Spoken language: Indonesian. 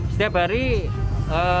setiap hari dipakai